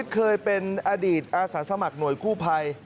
เคยเป็นอดีตอาศักดิ์สมัครหน่วยคู่ภัย